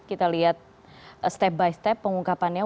kita lihat step by step pengungkapannya